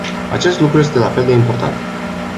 Acest lucru este la fel de important.